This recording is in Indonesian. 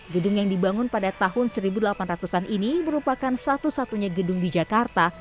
gedung yang dibangun pada tahun seribu delapan ratus an ini merupakan satu satunya gedung di jakarta